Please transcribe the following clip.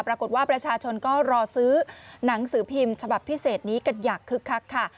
ปรากฏว่าประชาชนก็รอซื้อหนังสือพิมพ์ฉบับพิเศษนี้กันอย่างคึกคักค่ะ